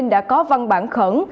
đã có văn bản khẩn